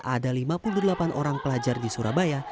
ada lima puluh delapan orang pelajar di surabaya